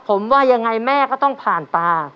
ผมว่ายังไงแม่ก็ต้องผ่านตา